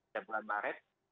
di bulan maret